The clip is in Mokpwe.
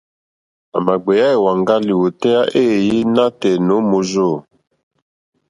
À mà gbèyá èwàŋgá lìwòtéyá éèyé nǎtɛ̀ɛ̀ nǒ mòrzô.